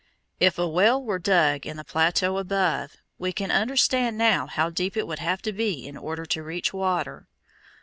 If a well were dug in the plateau above, we can understand now how deep it would have to be in order to reach water.